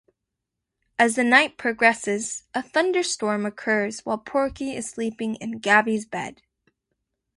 As the night progresses, a thunderstorm occurs while Porky is sleeping in Gabby's bed.